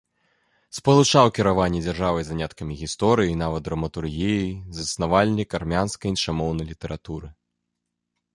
Спалучаў кіраванне дзяржавай з заняткамі гісторыяй і нават драматургіяй, заснавальнік армянскай іншамоўнай літаратуры.